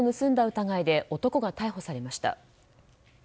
疑いで男が逮捕されました。